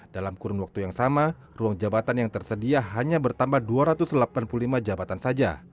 dalam kurun waktu yang sama ruang jabatan yang tersedia hanya bertambah dua ratus delapan puluh lima jabatan saja